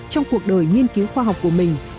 trong cuộc đời nghiên cứu khoa học của mình